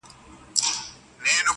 دیدن د بادو پیمانه ده-